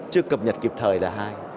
chưa cập nhật kịp thời là hai